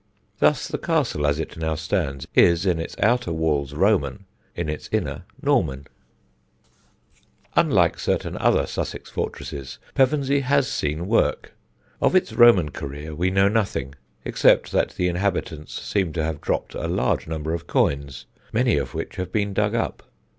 Thus the castle as it now stands is in its outer walls Roman, in its inner, Norman. [Sidenote: WILLIAM'S LANDING] Unlike certain other Sussex fortresses, Pevensey has seen work. Of its Roman career we know nothing, except that the inhabitants seem to have dropped a large number of coins, many of which have been dug up.